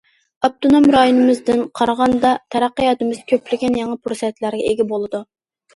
ئاپتونوم رايونىمىزدىن قارىغاندا، تەرەققىياتىمىز كۆپلىگەن يېڭى پۇرسەتلەرگە ئىگە بولىدۇ.